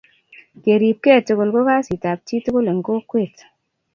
kerip kei tugul ko kasit ab chi tugul eng kokwet